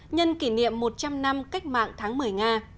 nhân kỷ niệm một trăm linh năm cách mạng tháng một mươi nga